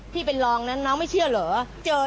ที่เป็นรองนั้นน้องไม่เชื่อเหรอ